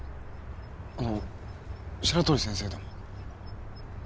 あの白鳥先生でも？